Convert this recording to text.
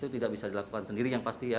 itu tidak bisa dilakukan sendiri yang pasti ya